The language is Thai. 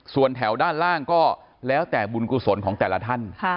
ส่วนแถวด้านล่างก็แล้วแต่บุญกุศลของแต่ละท่าน